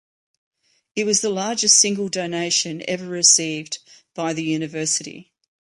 It was the largest single donation ever received by the university.